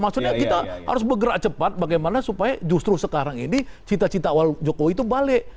maksudnya kita harus bergerak cepat bagaimana supaya justru sekarang ini cita cita awal jokowi itu balik